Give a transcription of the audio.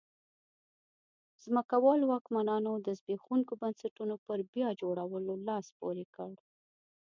ځمکوالو واکمنانو د زبېښونکو بنسټونو پر بیا جوړولو لاس پورې کړ.